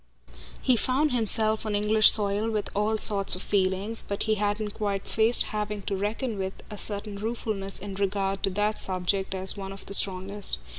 He found himself on English soil with all sorts of feelings, but he hadn't quite faced having to reckon with a certain ruefulness in regard to that subject as one of the strongest.